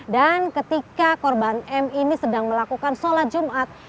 dan ketika korban m ini sedang melakukan sholat jumat